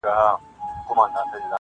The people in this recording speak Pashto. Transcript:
را په برخه له ستړیا سره خواري ده -